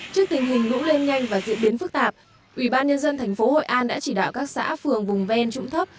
trước tình hình lũ lên nhanh và diễn biến phức tạp ubnd tp hội an đã chỉ đạo các xã phường vùng ven trũng thấp